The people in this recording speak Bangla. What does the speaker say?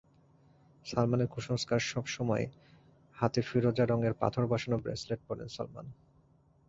সালমানের কুসংস্কারসব সময় হাতে ফিরোজা রঙের পাথর বসানো ব্রেসলেট পরেন সালমান।